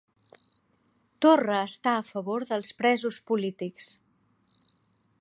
Torra està a favor dels presos polítics